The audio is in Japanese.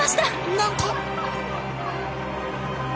なんと。